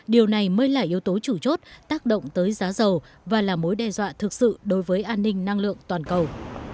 điều này mới là yếu tố chủ chốt tác động tới giá dầu và là mối đe dọa thực sự đối với an ninh năng lượng toàn cầu